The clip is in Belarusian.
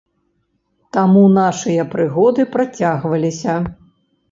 Таму нашыя прыгоды працягваліся.